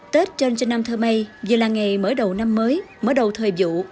tết trần trần nam thơ mây giờ là ngày mở đầu năm mới mở đầu thời vụ